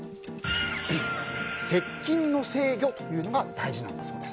接近の制御というのが大事なんだそうです。